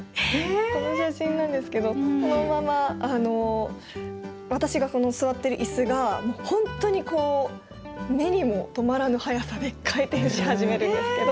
この写真なんですけどこのまま私が座ってるイスがもう本当に目にも留まらぬ速さで回転し始めるんですけど。